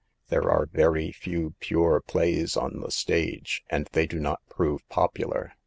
There are very few pure plays on the stage, and they do not prove popular.